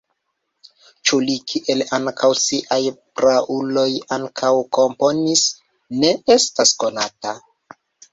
Ĉu li kiel ankaŭ siaj prauloj ankaŭ komponis, ne estas konata.